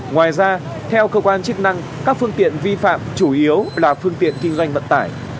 ngoài ra theo cơ quan chức năng các phương tiện vi phạm chủ yếu là phương tiện kinh doanh vận tải